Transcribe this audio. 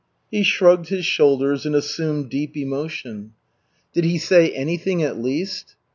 He shrugged his shoulders and assumed deep emotion. "Did he say anything at least?"